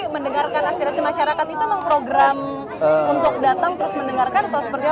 mendengarkan aspirasi masyarakat itu memprogram untuk datang terus mendengarkan tos berjalan